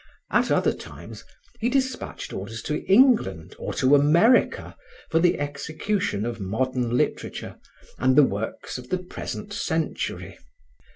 At other times he dispatched orders to England or to America for the execution of modern literature and the works of the present century.